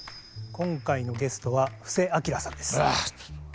今回のゲストは布施明さんです。